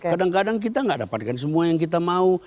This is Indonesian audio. kadang kadang kita gak dapatkan semua yang kita mau